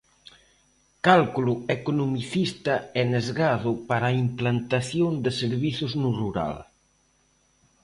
Cálculo economicista e nesgado para a implantación de servizos no rural.